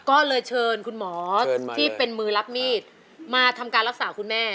ก็เลยเชิญคุณหมอที่เป็นมือรับมีดมาทำการรักษาคุณแม่